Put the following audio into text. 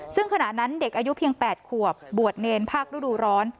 ซึ่งขณะนั้นเด็กอายุเพียง๘ขวบบวชเนรภาคฤดูร้อน